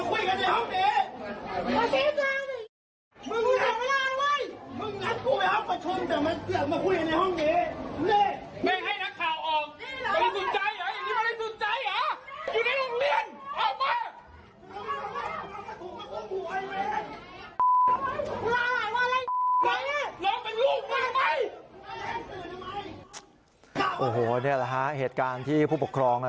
โอ้โหนี่แหละฮะเหตุการณ์ที่ผู้ปกครอง